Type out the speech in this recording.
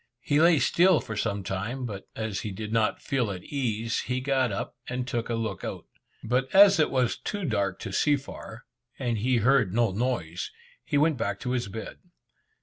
He lay still for some time, but as he, did not feel at case, he got up, and took a look out. But as it was too dark to see far, and he heard no noise, he went back to his bed.